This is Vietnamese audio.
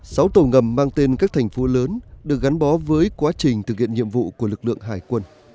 sáu tàu ngầm mang tên các thành phố lớn được gắn bó với quá trình thực hiện nhiệm vụ của lực lượng hải quân